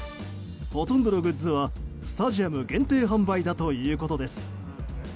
ほとんどのグッズはスタジアム限定販売だということです。